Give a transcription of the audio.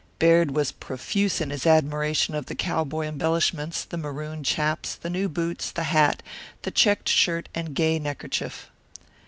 Baird was profuse in his admiration of the cowboy embellishments, the maroon chaps, the new boots, the hat, the checked shirt and gay neckerchief.